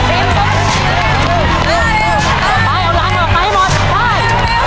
ไปเอารังออกไปให้หมดได้